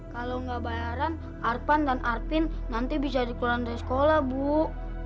kalau nggak bayaran arpan dan artin nanti bisa dikeluarkan dari sekolah bu